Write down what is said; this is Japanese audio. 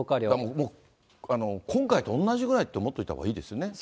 もう今回と同じぐらいって思っておいたほうがいいですね。